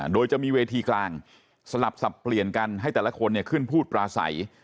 โดยจะมีเวทีกลางสลับสับเปลี่ยนกันให้แต่ละคนขึ้นพูดปลาใส